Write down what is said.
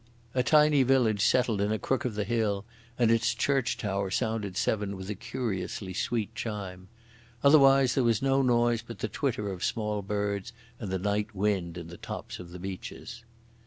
A tiny village settled in a crook of the hill, and its church tower sounded seven with a curiously sweet chime. Otherwise there was no noise but the twitter of small birds and the night wind in the tops of the beeches.